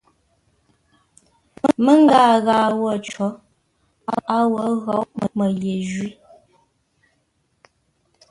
Məngaa ghâa wə̂ cǒ, a wo ńgóu mə́ ye ńjwí!